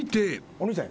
お兄さん。